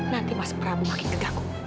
nanti mas raffu makin gegaku